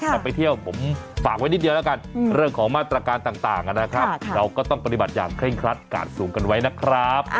แต่ไปเที่ยวผมฝากไว้นิดเดียวแล้วกันเรื่องของมาตรการต่างนะครับเราก็ต้องปฏิบัติอย่างเร่งครัดกาดสูงกันไว้นะครับ